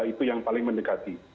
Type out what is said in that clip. itu yang paling mendekati